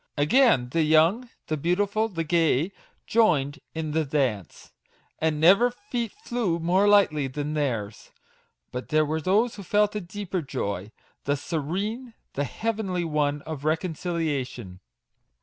Again the young, the beautiful, the gay, joined in the MAGIC WORDS. 53 dance; and never feet flew more lightly than theirs. But there were those who felt a deeper joy; the serene, the heavenly one of Recon ciliation